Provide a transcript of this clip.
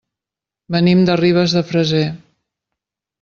Venim de Ribes de Freser.